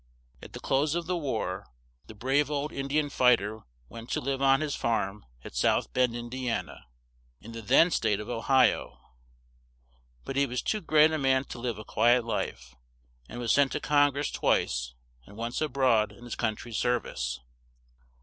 At the close of the war, the brave old In di an fight er went to live on his farm at South Bend, In di an a, in the then state of O hi o; but he was too great a man to live a qui et life, and was sent to Con gress twice and once a broad in his coun try's serv ice.